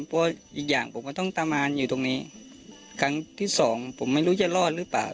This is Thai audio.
เพราะอีกอย่างผมก็ต้องประมาณอยู่ตรงนี้ครั้งที่สองผมไม่รู้จะรอดหรือเปล่า